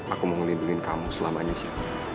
aku mau ngelindungi kamu selamanya sya